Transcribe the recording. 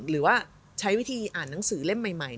หรือว่าใช้วิธีอ่านหนังสือเล่มใหม่